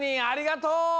ありがとう！